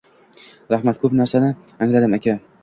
Rahmat, ko’p narsani angladim, aka!